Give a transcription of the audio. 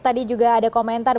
tadi juga ada komentar